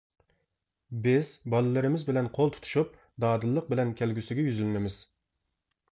بىز بالىلىرىمىز بىلەن قول تۇتۇشۇپ، دادىللىق بىلەن كەلگۈسىگە يۈزلىنىمىز.